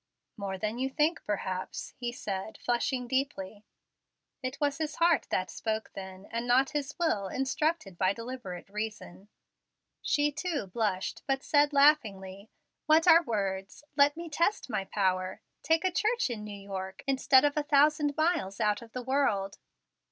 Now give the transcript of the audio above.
"More than you think, perhaps," he said, flushing deeply. It was his heart that spoke then, and not his will, instructed by deliberate reason. She too blushed, but said laughingly, "What are words? Let me test my power. Take a church in New York, instead of a thousand miles out of the world."